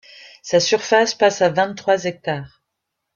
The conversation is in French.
Sa surface passe à vingt-trois hectares.